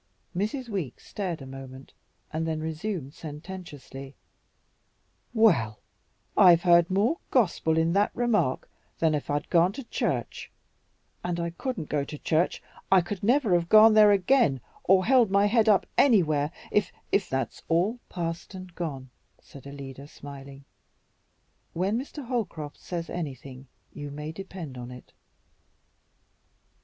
Mrs. Weeks stared a moment, and then resumed sententiously, "Well, I've heard more gospel in that remark than if I'd gone to church. And I couldn't go to church, I could never have gone there again or held my head up anywhere if if " "That's all past and gone," said Alida, smiling. "When Mr. Holcroft says anything, you may depend on it."